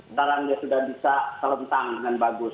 sekarang dia sudah bisa kelentang dengan bagus